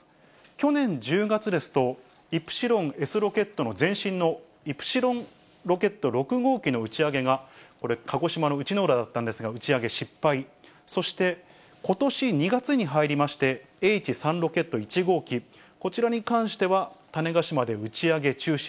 去年１０月ですと、イプシロンＳロケットの前身のイプシロンロケット６号機の打ち上げが、これ、鹿児島のうちのうらだったんですが、打ち上げ失敗、そして、ことし２月に入りまして、Ｈ３ロケット１号機、こちらに関しては、種子島で打ち上げ中止。